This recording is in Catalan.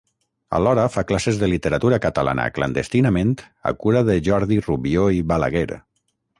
Alhora, fa classes de literatura catalana clandestinament a cura de Jordi Rubió i Balaguer.